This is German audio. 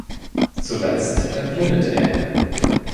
Zuletzt erblindete er.